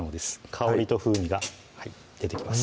香りと風味が出てきます